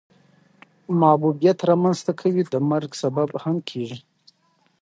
معیوبیت را منځ ته کوي د مرګ سبب هم کیږي.